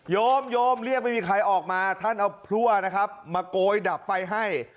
โยมโยมเรียกไม่มีใครออกมาท่านเอาพลั่วนะครับมาโกยดับไฟให้